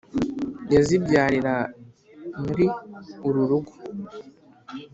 yazibyarira muri uru rugo